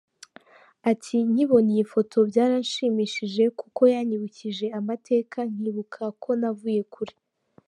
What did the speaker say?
Ati “Nkibona iyi foto byaranshimishije kuko yanyibukije amateka nkibuka ko navuye kure.